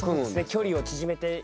距離を縮めて。